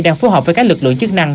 đang phù hợp với các lực lượng chức năng